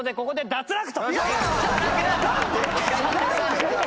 脱落。